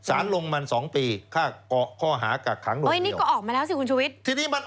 อายับตัวต่อ